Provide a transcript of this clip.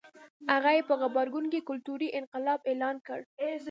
هغه یې په غبرګون کې کلتوري انقلاب اعلان کړ.